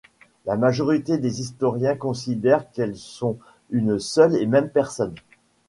La majorité des historiens considèrent qu'elles sont une seule et même personne.